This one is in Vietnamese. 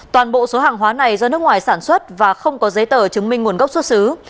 toàn bộ số hàng hóa này do nước ngoài sản xuất và không có giấy tờ chứng minh nguồn gốc xuất xứ